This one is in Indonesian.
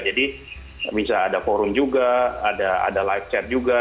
jadi bisa ada forum juga ada live chat juga